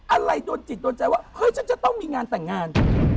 อะไรโดนจิตโดนใจว่าเฮ้ยฉันจะต้องมีงานแต่งงาน